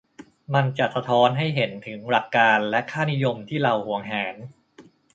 มันจะสะท้อนให้เห็นถึงหลักการและค่านิยมที่เราหวงแหน